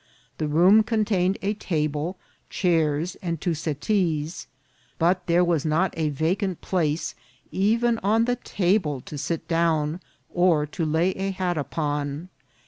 The room contain ed a table, chairs, and two settees, but there was not a vacant place even on the table to sit down or to lay a hat upon.